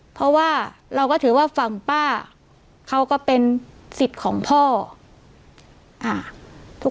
เพราะว่าเราก็ถือว่าฝั่งป้าเขาก็เป็นสิทธิ์ของพ่ออ่า